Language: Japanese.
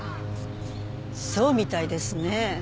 そうみたいですね。